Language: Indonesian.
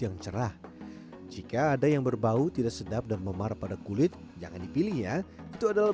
yang cerah jika ada yang berbau tidak sedap dan memar pada kulit jangan dipilih ya itu adalah